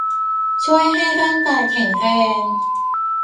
ช่วยให้ร่างกายแข็งแรง